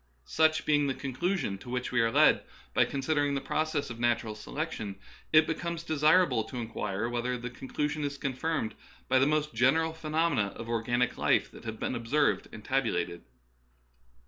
Such being the conclusion to which we are led by considering the process of natural selection, it becomes desirable to inquire whether the conclu sion is confirmed by the most general phenomena of organic life that have been observed and tab ulated.